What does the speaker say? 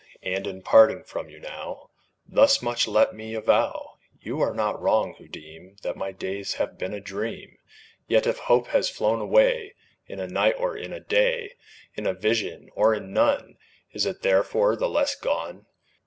And, in parting from you now, Thus much let me avow You are not wrong, who deem That my days have been a dream; Yet if Hope has flown away In a night, or in a day, In a vision, or in none, Is it therefore the less gone?